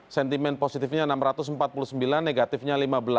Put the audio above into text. sentimen positifnya enam ratus empat puluh sembilan negatifnya lima belas